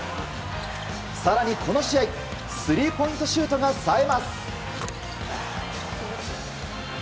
更に、この試合スリーポイントシュートがさえます。